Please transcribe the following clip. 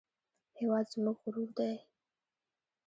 هېواد زموږ غرور دی